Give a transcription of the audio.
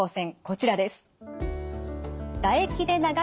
こちらです。